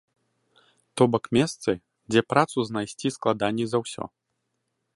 То бок месцы, дзе працу знайсці складаней за ўсё.